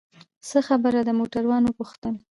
څه خبره ده؟ موټروان وپوښتل.